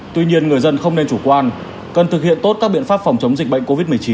tuy nhiên người dân không nên chủ quan cần thực hiện tốt các biện pháp phòng chống dịch bệnh covid một mươi chín